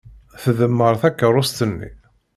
Tdemmer takeṛṛust-nni.